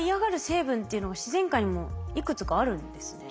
成分っていうのが自然界にもいくつかあるんですね。